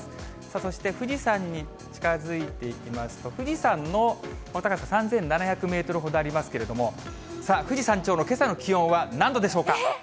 そして富士山に近づいていきますと、富士山の高さ、３７００メートルほどありますけれども、さあ、富士山頂のけさの気温は何度でしょうか。